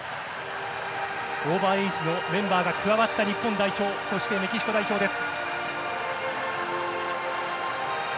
オーバーエージのメンバーが加わった日本代表そして、メキシコ代表です。